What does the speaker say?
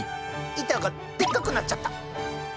板がでっかくなっちゃった！